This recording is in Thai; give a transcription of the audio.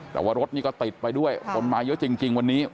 แต่ว่ารถนี่ก็ติดไปด้วยคนมาเยอะจริงวันนี้